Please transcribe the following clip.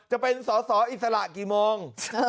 จะเป็นสอสออิสระกี่โมง